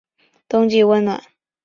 冬季温暖。